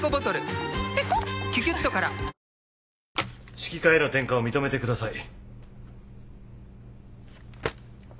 指揮科への転科を認めてください。